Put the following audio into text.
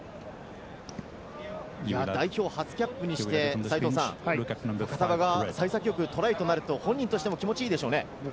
代表初キャップにして、ファカタヴァが幸先よくトライとなると本人としても気持ちいいでしょうね。